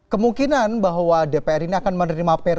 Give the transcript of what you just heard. kemungkinan bahwa dpr ini akan menerima